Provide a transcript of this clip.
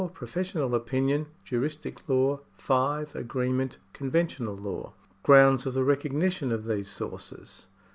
Professional opinion — juristic law. ^5. Agreement — conventional law. Grounds of the recognition of these sources.